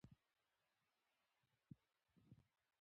لوستې میندې ماشوم ته سالم فکر ورکوي.